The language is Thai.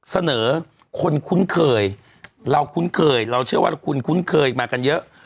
เสนอคนคุ้นเคยเราคุ้นเคยเราเชื่อว่าคุณคุ้นเคยมากันเยอะ